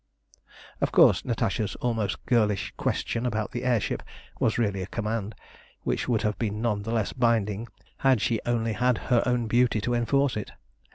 Of course, Natasha's almost girlish question about the air ship was really a command, which would have been none the less binding had she only had her own beauty to enforce it.